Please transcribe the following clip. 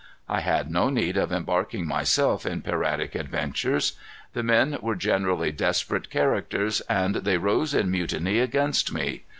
I had no need of embarking myself in piratic adventures. The men were generally desperate characters, and they rose in mutiny against me.